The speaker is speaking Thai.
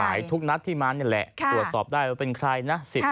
ทุกนัดที่มานี่แหละตรวจสอบได้ว่าเป็นใครนะ